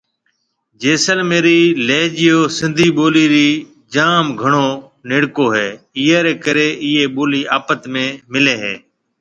جيسلميري لهجيو سنڌي ٻولي ري جام گھڻو نَيڙڪو هيَ ايئي ري ڪري اَي ٻولي آپت ۾ ملي هيَ۔